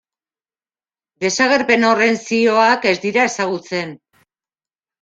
Desagerpen horren zioak ez dira ezagutzen.